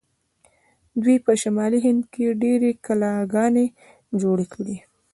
دوی په شمالي هند کې ډیرې کلاګانې جوړې کړې.